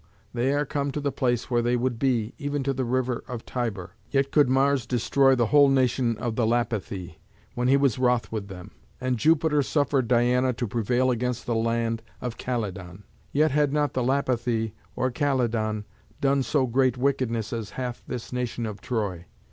they are come to the place where they would be, even to the river of Tiber. Yet could Mars destroy the whole nation of the Lapithæ, when he was wroth with them; and Jupiter suffered Diana to prevail against the land of Calydon. Yet had not the Lapithæ or Calydon done so great wickedness as hath this nation of Troy.